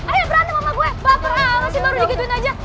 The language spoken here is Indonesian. ayo berani sama gue baper amat sih baru digituin aja